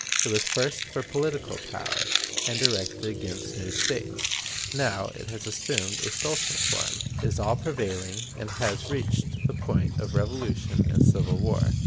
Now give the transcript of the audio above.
It was first for political power, and directed against new States; now it has assumed a social form, is all prevailing, and has reached the point of revolution and civil war.